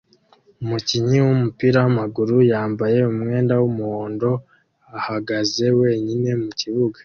Umukinnyi wumupira wamaguru yambaye umwenda wumuhondo ahagaze wenyine mukibuga